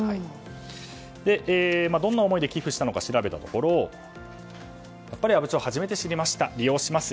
どんな思いで寄付したのか調べたところ阿武町を初めて知りました利用します。